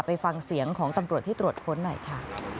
ไปฟังเสียงของตำรวจที่ตรวจค้นหน่อยค่ะ